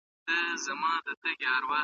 هغوی له دې حق څخه محرومې سوي وې.